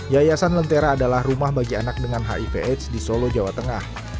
yayasan lentera adalah rumah bagi anak dengan hiv aids di solo jawa tengah